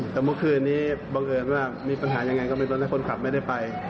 แต่เมื่อคืนนี้บังเอิญว่ามีปัญหายังไงก็ไม่รู้นะคนขับไม่ได้ไป